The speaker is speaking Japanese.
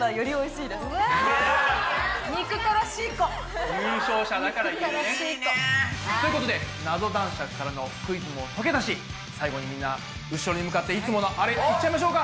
いいねぇ。ということでナゾ男爵からのクイズも解けたし最後にみんな後ろに向かっていつものあれいっちゃいましょうか！